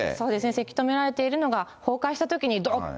せき止められているものが崩壊したときにどっと。